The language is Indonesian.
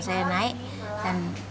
saya naik dan